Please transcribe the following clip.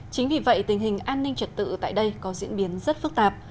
chính vì vậy tình hình an ninh trật tự tại đây có diễn biến rất phức tạp